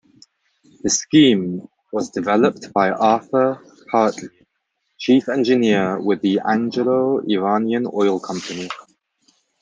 The scheme was developed by Arthur Hartley, chief engineer with the Anglo-Iranian Oil Company.